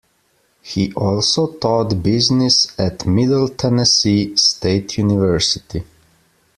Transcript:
He also taught business at Middle Tennessee State University.